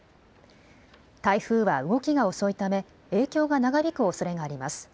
台風は動きが遅いため、影響が長引くおそれがあります。